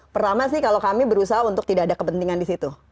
pertama sih kalau kami berusaha untuk tidak ada kepentingan di situ